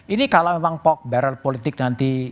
ini kalau memang barrel politik nanti